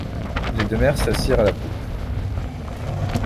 Les deux mères s'assirent à la poupe.